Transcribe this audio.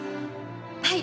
はい！